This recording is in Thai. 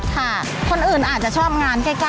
ค่ะคนอื่นอาจจะชอบงานใกล้